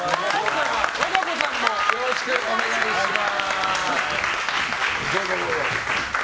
和歌子さんもよろしくお願いします。